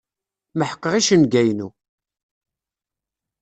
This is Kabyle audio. Meḥqeɣ icenga-inu.